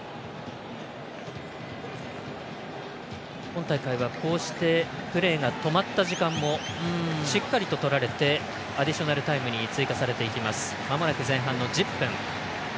今大会はこうしてプレーが止まった時間もしっかりととられてアディショナルタイムに追加されていきます。